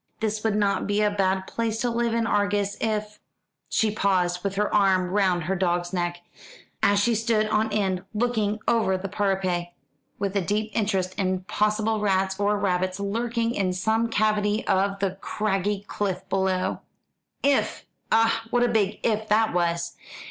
"This would not be a bad place to live in, Argus, if " She paused with her arm round her dog's neck, as he stood on end, looking over the parapet, with a deep interest in possible rats or rabbits lurking in some cavity of the craggy cliff below. If! Ah, what a big "if" that was!